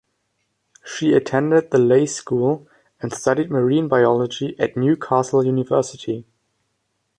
She attended The Leys School, and studied Marine Biology at Newcastle University.